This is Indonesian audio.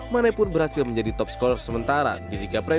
mane pun berhasil menjadi top skor sementara di liga prestasi